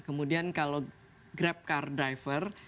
kemudian kalau grabcardriver